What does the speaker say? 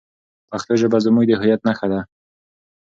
پښتو ژبه زموږ د هویت نښه ده.